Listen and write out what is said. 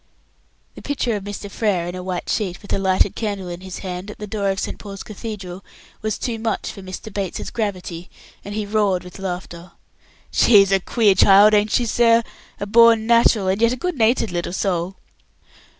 The picture of Mr. Frere in a white sheet, with a lighted candle in his hand, at the door of St. Paul's Cathedral, was too much for Mr. Bates's gravity, and he roared with laughter. "She's a queer child, ain't she, sir? A born natural, and a good natured little soul."